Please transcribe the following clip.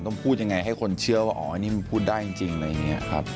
พูดยังไงให้คนเชื่อว่าอ๋ออันนี้มันพูดได้จริงอะไรอย่างนี้ครับ